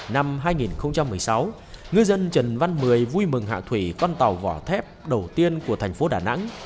năm hai nghìn một mươi sáu ngư dân trần văn mười vui mừng hạ thủy con tàu vỏ thép đầu tiên của thành phố đà nẵng